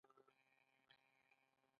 وزې له بچو سره تګ کوي